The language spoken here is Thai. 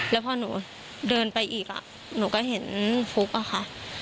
แล้วพอหนูเดินไปอีกหนูก็เห็นฟุ๊กอะค่ะ